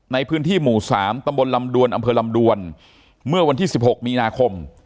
ในพื้นที่หมู่๓ตำบลลำดวนอำเภอลำดวนเมื่อวันที่๑๖มีนาคม